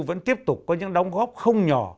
vẫn tiếp tục có những đóng góp không nhỏ